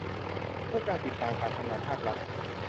เพื่อการติดตามการทำงานภาครัฐ